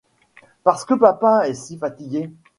Parce que papa est si fatigué.